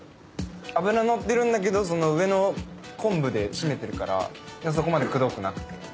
脂乗ってるんだけど上の昆布で締めてるからそこまでくどくなくて。